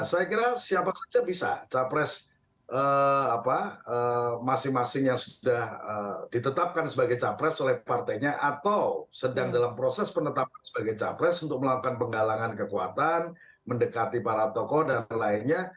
saya kira siapa saja bisa capres masing masing yang sudah ditetapkan sebagai capres oleh partainya atau sedang dalam proses penetapan sebagai capres untuk melakukan penggalangan kekuatan mendekati para tokoh dan lainnya